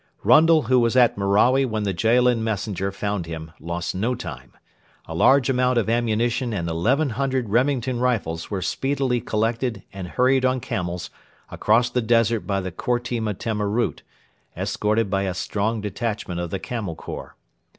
Rundle, who was at Merawi when the Jaalin messenger found him, lost no time. A large amount of ammunition and 1,100 Remington rifles were speedily collected and hurried on camels across the desert by the Korti Metemma route, escorted by a strong detachment of the Camel Corps.